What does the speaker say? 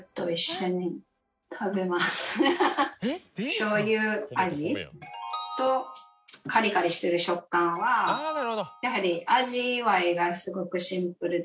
しょうゆ味とカリカリしてる食感はやはり味わいがすごくシンプルでおいしい。